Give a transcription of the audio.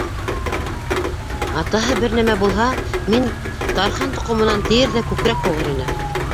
Атаһы, бер нәмә булһа, мин тархан тоҡомонан, тиер ҙә күкрәк һуғыр ине.